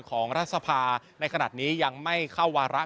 รัฐสภาในขณะนี้ยังไม่เข้าวาระ